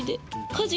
家事。